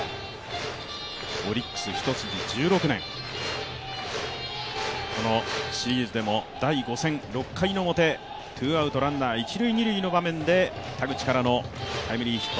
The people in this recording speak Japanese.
オリックス一筋１６年、このシリーズでも第５戦、６回表、ツーアウトランナー一塁・二塁の場面で、田口からのタイムリーヒット。